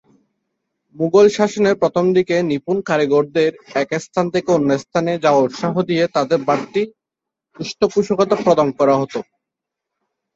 মুগল শাসনের প্রথমদিকে নিপুণ কারিগরদের এক স্থান থেকে অন্য স্থানে যাওয়ার উৎসাহ দিয়ে তাদের বাড়তি পৃষ্ঠপোষকতা প্রদান করা হতো।